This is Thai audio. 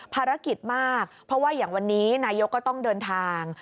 ภารกิจมากเพราะว่าอย่างวันนี้นายกก็ต้องเดินทาง